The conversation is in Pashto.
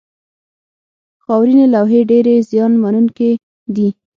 خاورینې لوحې ډېرې زیان منونکې دي.